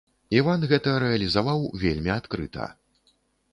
Іван гэта рэалізаваў вельмі адкрыта.